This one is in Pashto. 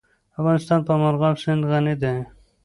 افغانستان په مورغاب سیند غني دی.